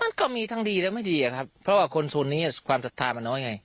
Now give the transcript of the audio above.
มันก็มีทั้งดีและไม่ดีอะครับเพราะว่าคนส่วนนี้ความศรัทธามันน้อยไง